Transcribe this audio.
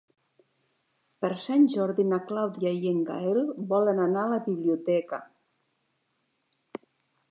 Per Sant Jordi na Clàudia i en Gaël volen anar a la biblioteca.